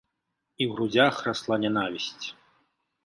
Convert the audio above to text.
І ў грудзях расла нянавісць.